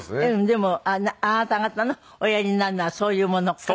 でもあなた方のおやりになるのはそういうものか。